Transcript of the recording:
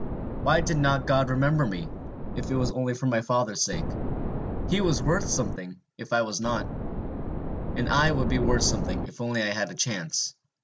Why did not God remember me, if it was only for my father's sake? He was worth something, if I was not! And I would be worth something, if only I had a chance!